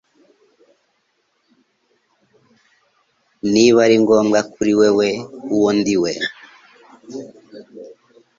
Niba ari ngombwa kuri wewe uwo ndiwe